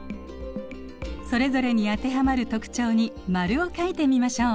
それぞれに当てはまる特徴に〇を書いてみましょう。